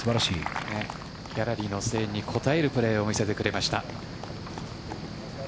ギャラリーの声援に応えるプレーを見せてくれました。